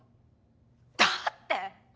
だって！